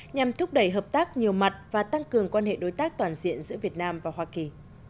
nhằm thúc đẩy hợp tác nhiều mặt và tăng cường quan hệ đối tác toàn diện giữa việt nam và hoa kỳ